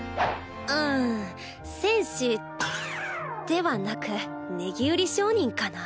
うん戦士ではなくネギ売り商人かな？